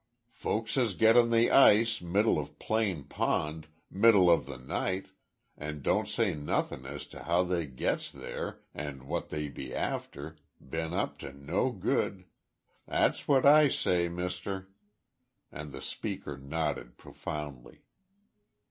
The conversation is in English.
"Folks as gets on the ice, middle of Plane Pond middle of the night, and don't say nothin' as to how they gets there and what they be after, bean't up to no good. That's what I say, muster." And the speaker nodded profoundly.